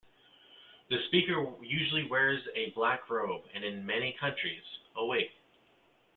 The speaker usually wears a black robe, and in many countries, a wig.